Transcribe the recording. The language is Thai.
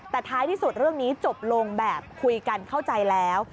แต่ท้ายที่สุดเรื่องนี้จบลงแบบคุยกันเข้าใจแล้ว